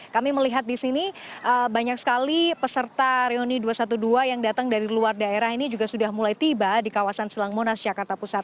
kami melihat di sini banyak sekali peserta reuni dua ratus dua belas yang datang dari luar daerah ini juga sudah mulai tiba di kawasan selang monas jakarta pusat